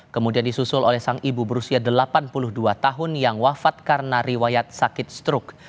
kemudian disusul oleh sang ibu berusia delapan puluh dua tahun yang wafat karena riwayat sakit struk